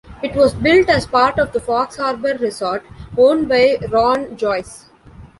It was built as part of the Fox Harb'r Resort, owned by Ron Joyce.